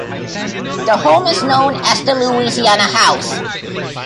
The home is known as The Louisiana House.